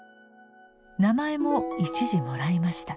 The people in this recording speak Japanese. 名前も１字もらいました。